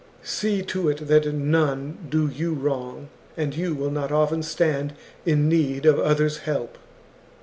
See to it that none do you wrong, and you will not often stand in need of others' help." CHAP.